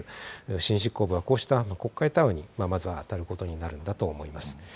新執行部はこうした国会対応にまずはあたることになるんだと思います。